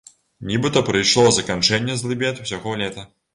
Нібыта прыйшло заканчэнне злыбед усяго лета.